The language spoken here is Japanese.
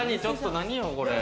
何よ、これ。